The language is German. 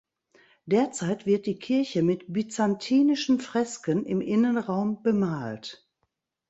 Derzeit wird die Kirche mit byzantinischen Fresken im Innenraum bemalt.